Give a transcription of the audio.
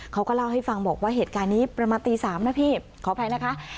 เขาก็เล่าให้ฟังบอกว่าเหตุการณ์นี้ประมาณตี๓นะพี่ขออภัยนะคะ